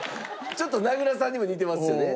ちょっと名倉さんにも似てますよね。